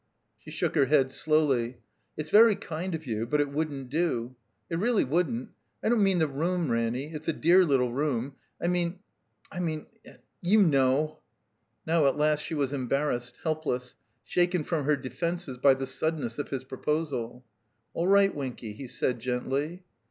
She shook her head slowly. "It's very kind of you, but it wouldn't do. It really wouldn't. I don't mean the room, Ranny — it's a dear little room — I mean — I mean, you know " Now at last she was embarrassed, helpless, shaken from her defenses by the suddenness of his proposal. "All right, Winky," he said, gently.